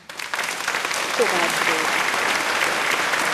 Kovács Géza.